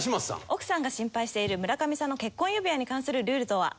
奥さんが心配している村上さんの結婚指輪に関するルールとは？